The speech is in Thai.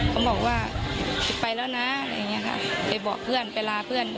เขาบอกว่าไปแล้วนะไปบอกเพื่อนไปลาเพื่อน